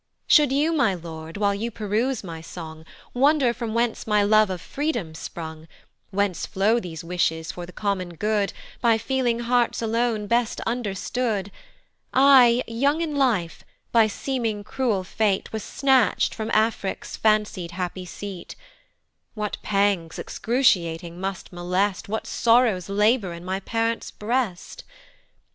Should you, my lord, while you peruse my song, Wonder from whence my love of Freedom sprung, Whence flow these wishes for the common good, By feeling hearts alone best understood, I, young in life, by seeming cruel fate Was snatch'd from Afric's fancy'd happy seat: What pangs excruciating must molest, What sorrows labour in my parent's breast?